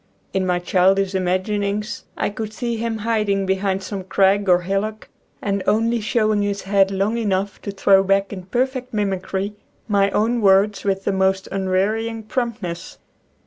In my child ish imaginings I could see him hiding behind some crag or hillock and only showing his head long enough to throw back in perfect mimicry my own words with the most un wearying promptness.